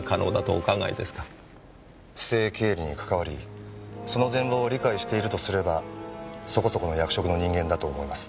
不正経理に関わりその全貌を理解しているとすればそこそこの役職の人間だと思います。